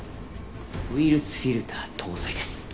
ウイルスフィルター搭載です。